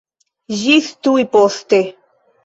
Ĝis tuj poste!